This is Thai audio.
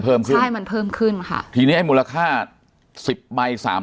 เพิ่มขึ้นใช่มันเพิ่มขึ้นค่ะทีนี้ไอ้มูลค่าสิบใบสาม